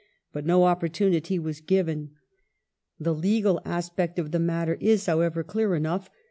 But no opportunity was given. The legal aspect of the matter is, however, clear enough.